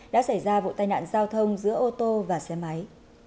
đã xảy ra vụ tai nạn giao thông giữa ô tô và xe máy